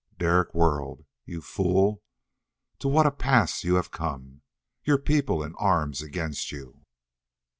Derek whirled, "You fool! To what a pass you have come! Your people in arms against you...."